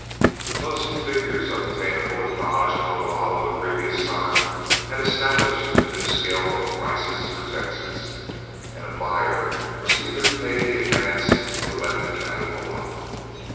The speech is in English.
The closing figures obtainable at Dodge and Ogalalla the previous summer had established a new scale of prices for Texas, and a buyer must either pay the advance or let the cattle alone.